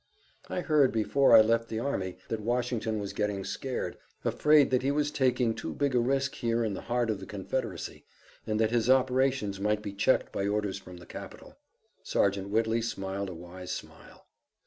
"I heard before I left the army that Washington was getting scared, afraid that he was taking too big a risk here in the heart of the Confederacy, and that his operations might be checked by orders from the capital." Sergeant Whitley smiled a wise smile.